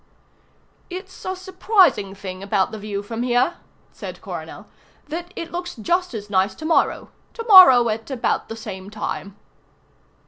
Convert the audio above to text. "It's a surprising thing about the view from here," said Coronel, "that it looks just as nice to morrow. To morrow about the same time."